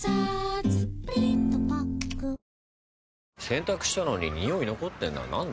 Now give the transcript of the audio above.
洗濯したのにニオイ残ってんな。